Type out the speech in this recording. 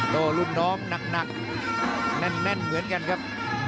โตรุ่นน้องหนักหนักแน่นแน่นเหมือนกันครับ